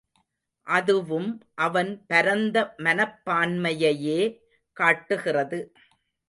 அதுவும் அவன் பரந்த மனப்பான்மையையே காட்டுகிறது.